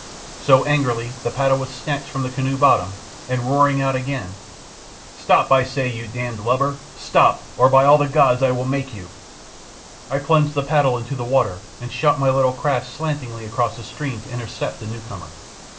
So, angrily the paddle was snatched from the canoe bottom, and roaring out again "Stop, I say, you d lubber, stop, or by all the gods I will make you!" I plunged the paddle into the water and shot my little craft slantingly across the stream to intercept the newcomer.